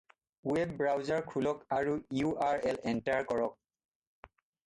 Web browser খোলক আৰু URL enter কৰক।